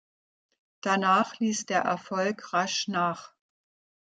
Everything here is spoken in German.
Danach ließ der Erfolg rasch nach.